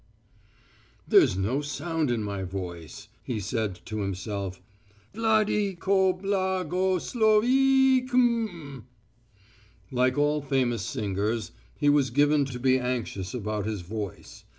"There's no sound in my voice," he said to himself. "Vla di ko bla go slo ve e e.... Km...." Like all famous singers, he was given to be anxious about his voice.